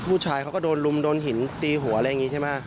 ผู้ชายเขาก็โดนลุมโดนหินตีหัวอะไรอย่างนี้ใช่ไหม